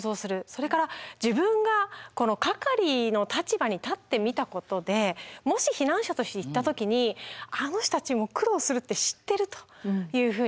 それから自分が係の立場に立ってみたことでもし避難者として行った時にあの人たちも苦労するって知ってるというふうになる。